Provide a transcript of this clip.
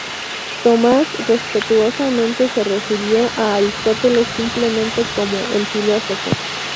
Tomás respetuosamente se refirió a Aristóteles simplemente como ""el Filósofo".